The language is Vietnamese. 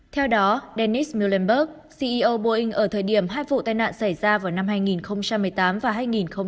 theo đó dennis molenberg ceo boeing ở thời điểm hai vụ tai nạn xảy ra vào năm hai nghìn một mươi tám và hai nghìn một mươi bảy